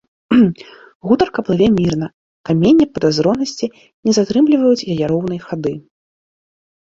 Гутарка плыве мірна, каменні падазронасці не затрымліваюць яе роўнай хады.